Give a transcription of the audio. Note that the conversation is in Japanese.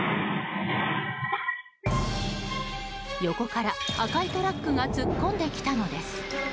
横から赤いトラックが突っ込んできたのです。